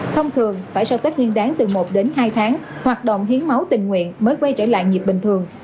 thông thường phải sau tết nguyên đáng từ một đến hai tháng hoạt động hiến máu tình nguyện mới quay trở lại nhịp bình thường